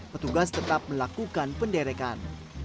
petugas tetap melakukan penderikan